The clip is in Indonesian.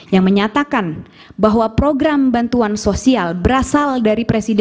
yang menyatakan bahwa program bantuan sosial yang diperlukan oleh presiden joko widodo